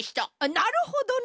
なるほどね！